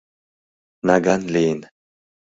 — Наган лийын.